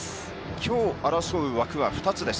きょう争う枠は２つです。